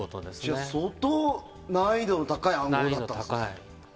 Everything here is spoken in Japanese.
じゃあ相当、難易度の高い暗号だったんですね。